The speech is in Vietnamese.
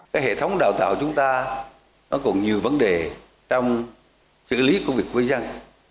cái hệ thống đào tạo chúng ta nó còn nhiều vấn đề trong xử lý của việc với dân